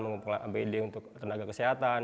mengumpulkan abd untuk tenaga kesehatan